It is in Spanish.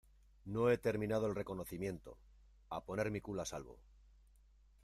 no he terminado el reconocimiento. a poner mi culo a salvo .